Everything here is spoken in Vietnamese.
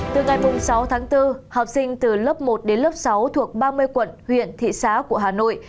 từ ngày sáu tháng bốn học sinh từ lớp một đến lớp sáu thuộc ba mươi quận huyện thị xã của hà nội